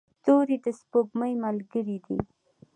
ستوري د سپوږمۍ ملګري دي.